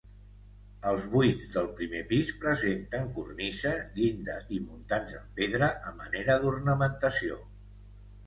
Els buits del primer pis presenten cornisa, llinda i muntants en pedra a manera d'ornamentació.